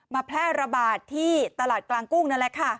แพร่ระบาดที่ตลาดกลางกุ้งนั่นแหละค่ะ